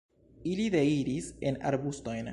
Ili deiris en arbustojn.